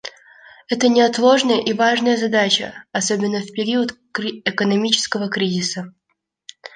Это неотложная и важная задача, особенно в период экономического кризиса.